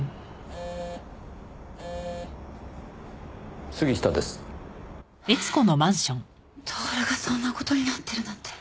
えっ享がそんな事になってるなんて。